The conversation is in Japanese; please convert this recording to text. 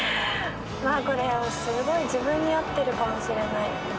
これすごい自分に合ってるかもしれない。